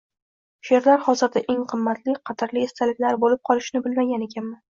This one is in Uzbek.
she’rlar xozirda eng qimmatli, qadrli esdaliklar bo’lib qolishini bilmagan ekanman.